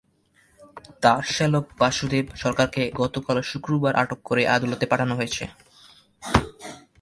তাঁর শ্যালক বাসুদেব সরকারকে গতকাল শুক্রবার আটক করে আদালতে পাঠানো হয়েছে।